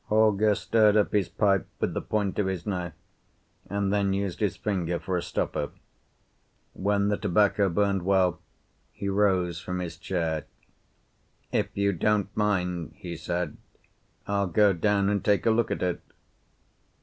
Holger stirred up his pipe with the point of his knife, and then used his finger for a stopper. When the tobacco burned well he rose from his chair. "If you don't mind," he said, "I'll go down and take a look at it."